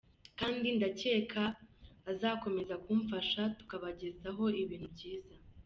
kandi ndakeka azakomeza kumfasha tukabagezaho ibintu byiza.